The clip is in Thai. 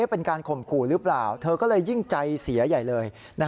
เป็นการข่มขู่หรือเปล่าเธอก็เลยยิ่งใจเสียใหญ่เลย